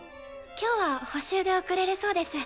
今日は補習で遅れるそうです。